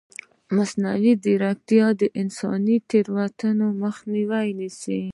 مصنوعي ځیرکتیا د انساني تېروتنو مخه نیسي.